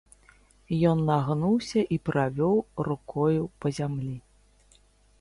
Ён нагнуўся і правёў рукою па зямлі.